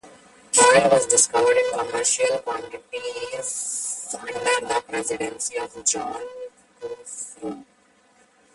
Oil was discovered in commercial quantities under the Presidency of John Kufuor.